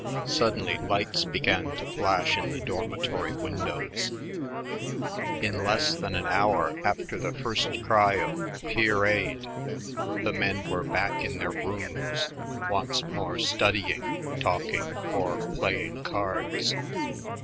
Suddenly lights began to flash in the dormitory windows. In less than an hour after the first cry of "Peerade!" the men were back in their rooms, once more studying, talking, or playing cards.